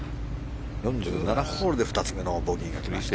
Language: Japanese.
４７ホールで２つ目のボギーがきました。